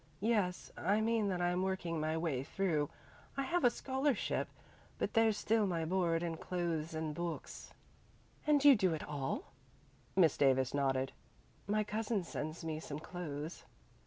"Yes, I mean that I'm working my way through. I have a scholarship, but there's still my board and clothes and books." "And you do it all?" Miss Davis nodded. "My cousin sends me some clothes."